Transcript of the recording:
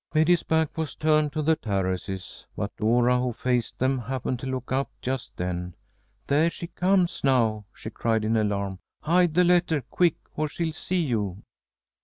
Betty's back was turned to the terraces, but Dora, who faced them, happened to look up just then. "There she comes now," she cried in alarm. "Hide the letter! Quick, or she'll see you!"